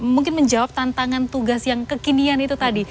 mungkin menjawab tantangan tugas yang kekinian itu tadi